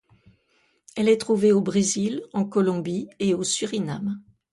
Elle est trouvée au Brésil, en Colombie et au Suriname.